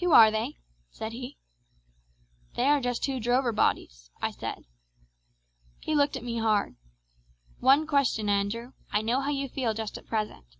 "'Who are they?' said he. "'They are just two drover bodies,' I said. He looked at me hard. "'One question, Andrew. I know how you feel just at present.